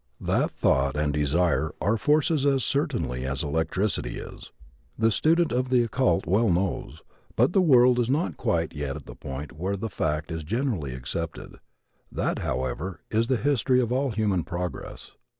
That thought and desire are forces as certainly as electricity is, the student of the occult well knows, but the world is not quite yet at the point where the fact is generally accepted. That, however, is the history of all human progress.